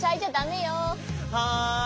はい。